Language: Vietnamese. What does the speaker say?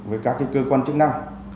với các cơ quan chức năng